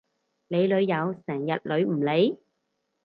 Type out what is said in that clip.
你女友成日女唔你？